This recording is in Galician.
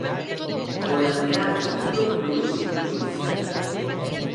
O lateral zurdo Luís Ruiz.